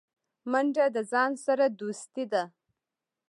منډه د ځان سره دوستي ده